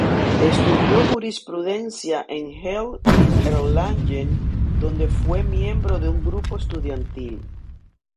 Estudió jurisprudencia en Halle y Erlangen, donde fue miembro de un grupo estudiantil.